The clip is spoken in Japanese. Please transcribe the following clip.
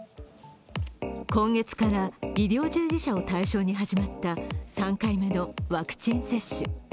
今月から医療従事者を対象に始まった３回目のワクチン接種。